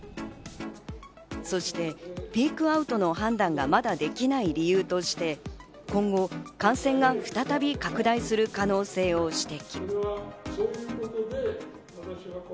そしてピークアウトの判断がまだできない理由として今後感染が再び拡大する可能性を指摘。